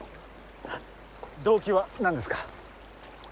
動機は何ですか？